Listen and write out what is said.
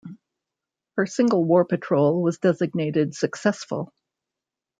Her single war patrol was designated "successful".